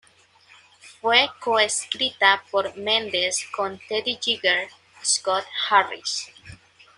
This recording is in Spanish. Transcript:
Fue co-escrita por Mendes con Teddy Geiger, Scott Harris.